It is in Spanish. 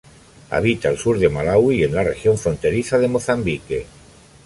Habita al sur de Malaui y en la región fronteriza de Mozambique.